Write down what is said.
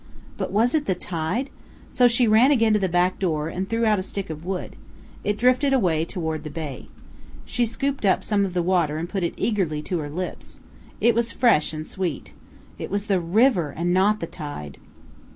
But was it the tide? So she ran again to the back door, and threw out a stick of wood. It drifted away toward the bay. She scooped up some of the water and put it eagerly to her lips. It was fresh and sweet. It was the river, and not the tide!